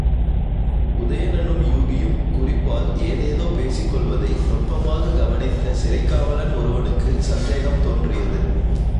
உதயணனும் யூகியும் குறிப்பால் ஏதேதோ பேசிக் கொள்வதை நுட்பமாகக் கவனித்த சிறைக்காவலன் ஒருவனுக்குச் சந்தேகம் தோன்றியது.